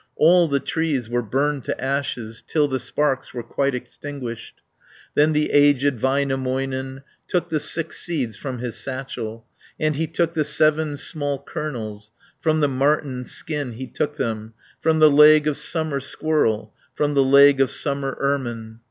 All the trees were burned to ashes, Till the sparks were quite extinguished. Then the aged Väinämöinen, Took the six seeds from his satchel, And he took the seven small kernels, From the marten's skin he took them, From the leg of summer squirrel, 290 From the leg of summer ermine.